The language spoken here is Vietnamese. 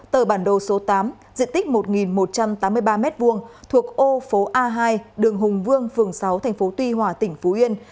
tờ bản đồ số tám diện tích một một trăm tám mươi ba m hai thuộc ô phố a hai đường hùng vương phường sáu tp tuy hòa tỉnh phú yên